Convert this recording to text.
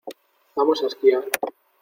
Vamos a esquiar.